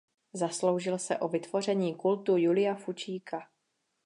Zasloužil se o vytvoření kultu Julia Fučíka.